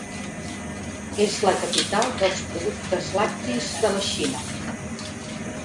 És la capital dels productes lactis de la Xina.